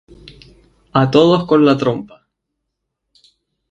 A todos con la trompa